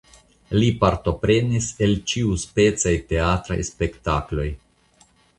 Li partoprenis en ĉiuspecaj teatraj spektakloj.